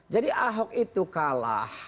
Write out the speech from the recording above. jadi ahok itu kalah